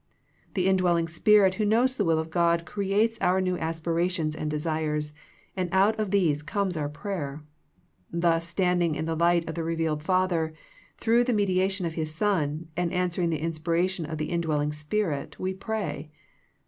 The indwelling Spirit who knows the will of God creates our new aspirations and desires, and out of these comes our prayer. Thus standing in the light of the revealed Father through the media tion of His Son and answering the inspiration of the indwelling Spirit we pray.